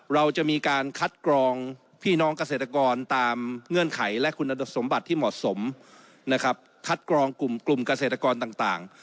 เราจะมีการคัดกรองพี่น้องเกษตรกรตามเงื่อนไขและคุณสมบัติที่เหมาะสมนะครับคัดกรองกลุ่มเกษตรกรต่าง